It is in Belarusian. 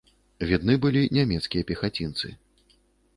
Відны былі нямецкія пехацінцы.